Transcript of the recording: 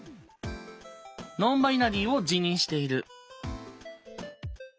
ノンバイナリーを自認している。